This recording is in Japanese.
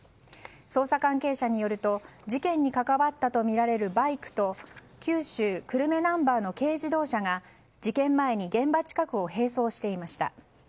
捜査関係者によると事件に関わったとみられるバイクと九州・久留米ナンバーの軽自動車が事件前に現場近くを並走していました。